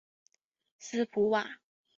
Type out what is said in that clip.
斯普瓦。